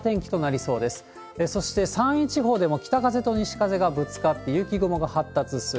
そして山陰地方でも北風と西風がぶつかって、雪雲が発達する。